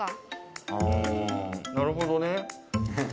なるほどね。